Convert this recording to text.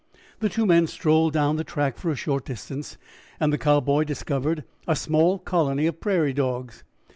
The two men strolled down the track for a short distance, and the Cowboy discovered a small colony of prairie dogs.